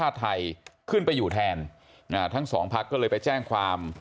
ทั้งสองพักก็เลยไปแจ้งความ